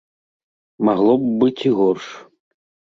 Магло б быць і горш.